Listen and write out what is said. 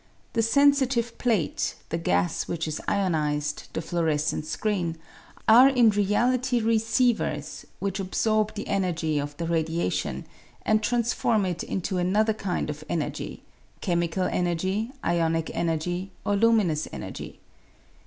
The sensitive plate, the gas which is ionised, the fluorescent screen, are in reality receivers, which absorb the energy of the radiation, and transform it into another kind of energy, chemical energy, ionic energy, or luminous energy.